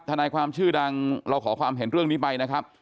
ทนายความชื่อดังเราขอความเห็นเรื่องนี้ไปนะครับ